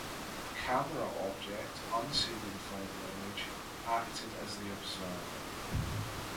A "camera object" unseen in the final image acted as the observer.